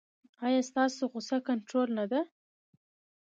ایا ستاسو غوسه کنټرول نه ده؟